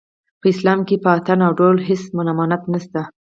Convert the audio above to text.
په اسلام کې په اټن او ډول هېڅ ممانعت نشته